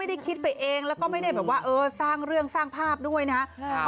ไม่ได้คิดไปเองและไม่ได้ยังสร้างเรื่องสร้างภาพด้วยนะครับ